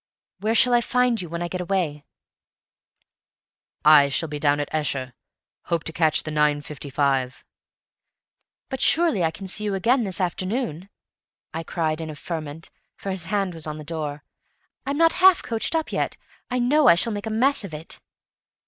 "Where shall I find you when I get away?" "I shall be down at Esher. I hope to catch the 9.55." "But surely I can see you again this afternoon?" I cried in a ferment, for his hand was on the door. "I'm not half coached up yet! I know I shall make a mess of it!"